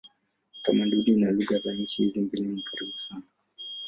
Utamaduni na lugha za nchi hizi mbili ni karibu sana.